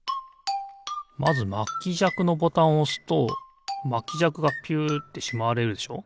まずまきじゃくのボタンをおすとまきじゃくがピュッてしまわれるでしょ。